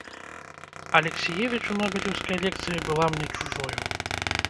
Алексіевіч у нобелеўскай лекцыі была мне чужою.